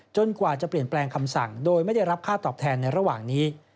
กว่าจะเปลี่ยนแปลงคำสั่งโดยไม่ได้รับค่าตอบแทนในระหว่างนี้